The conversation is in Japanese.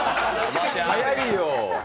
早いよ。